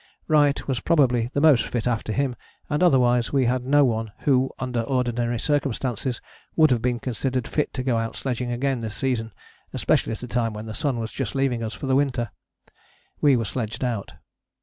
Wright was probably the most fit after him, and otherwise we had no one who, under ordinary circumstances, would have been considered fit to go out sledging again this season, especially at a time when the sun was just leaving us for the winter. We were sledged out.